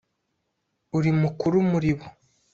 Uri mukuru muri bo,